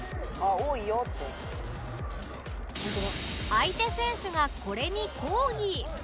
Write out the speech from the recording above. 相手選手がこれに抗議